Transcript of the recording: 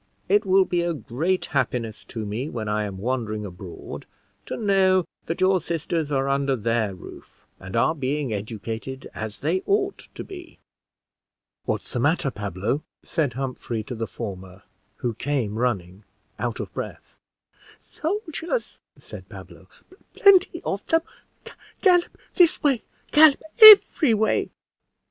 It will be a great happiness to me when I am wandering abroad to know that your sisters are under their roof, and are being educated as they ought to be." "What's the matter, Pablo?" said Humphrey to the former, who came running, out of breath. "Soldiers," said Pablo, "plenty of them, gallop this way gallop every way."